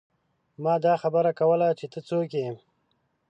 ما دا خبره کوله چې ته څوک يې ۔